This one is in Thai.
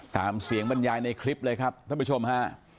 ตามเสียงบรรยายในคลิปเลยครับท่านผู้ชมฮะ